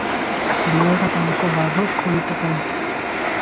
ବିଳଟା ତାଙ୍କ ବାଘ ଖୋଳିପକାଇଛି ।